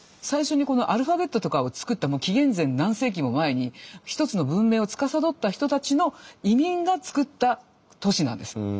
最初にアルファベットとかをつくった紀元前何世紀も前に一つの文明をつかさどった人たちの移民がつくった都市なんです。